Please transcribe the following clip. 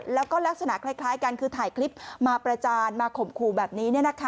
แล้วก็ลักษณะคล้ายกันคือถ่ายคลิปมาประจานมาข่มขู่แบบนี้